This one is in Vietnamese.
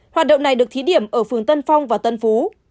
hoạt động này được thí điểm ở phường tân phong và tân phú